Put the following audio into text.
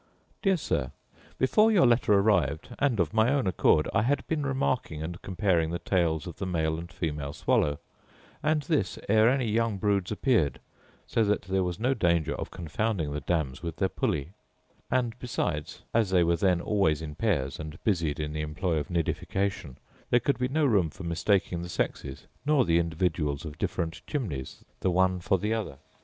Dear Sir, Before your letter arrived, and of my own accord, I had been remarking and comparing the tails of the male and female swallow, and this ere any young broods appeared; so that there was no danger of confounding the dams with their pulli: and besides, as they were then always in pairs, and busied in the employ of nidification, there could be no room for mistaking the sexes, nor the individuals of different chimneys the one for the other.